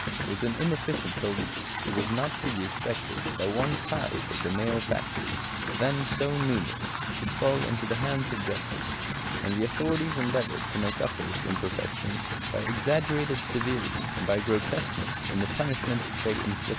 With an inefficient police, it was not to be expected that one tithe of the male factors, then so numerous, should fall into the hands of justice, and the authorities endeavoured to make up for this imperfection by exaggerated severity, and by grotesqueness in the punishments they inflicted.